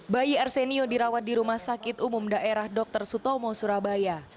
bayi arsenio dirawat di rumah sakit umum daerah dr sutomo surabaya